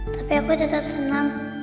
tapi aku tetap senang